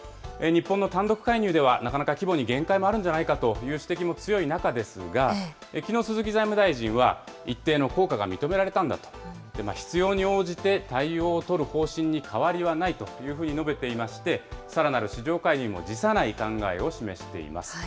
日本の単独介入では、なかなか規模に限界もあるんじゃないかという指摘も強い中ですが、きのう、鈴木財務大臣は、一定の効果が認められたんだと、必要に応じて対応を取る方針に変わりはないというふうに述べていまして、さらなる市場介入も辞さない考えを示しています。